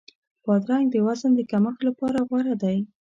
بادرنګ د وزن د کمښت لپاره غوره دی.